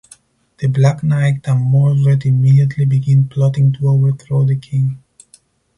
The Black Knight and Mordred immediately begin plotting to overthrow the king.